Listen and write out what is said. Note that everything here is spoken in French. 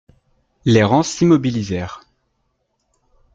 Les rangs s'immobilisèrent.